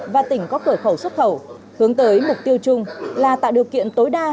và tỉnh có cửa khẩu xuất khẩu hướng tới mục tiêu chung là tạo điều kiện tối đa